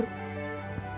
seolah kami layak digampar